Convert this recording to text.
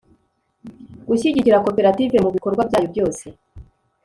gushyigikira koperative mu bikorwa byayo byose